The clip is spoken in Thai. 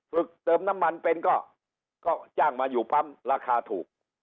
เติมน้ำมันเป็นก็จ้างมาอยู่ปั๊มราคาถูก